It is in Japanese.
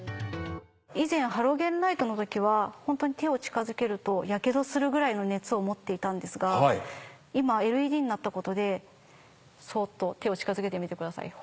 以前ハロゲンライトの時はホントに手を近づけるとやけどするぐらいの熱を持っていたんですが今ＬＥＤになったことでそっと手を近づけてみてくださいよ。